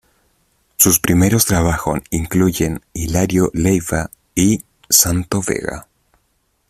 Sus primeros trabajos incluyen "Hilario Leiva" y "Santos Vega".